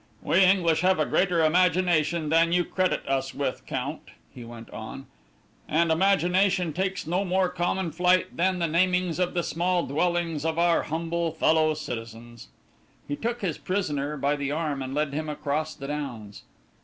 We English have a greater imagination than you credit us with, Count," he went on, "and imagination takes no more common flight than the namings of the small dwellings of our humble fellow citizens." He took his prisoner by the arm and led him across the downs.